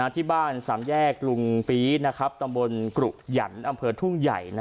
ที่บ้าน๓แยกรรพีชตมกรุหยันต์อเภอทุ่งใหญ่